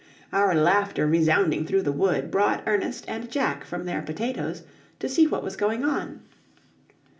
Our laughter resounding through the wood, brought Ernest and Jack from their potatoes, to see what was going on.